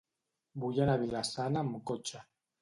Vull anar a Vila-sana amb cotxe.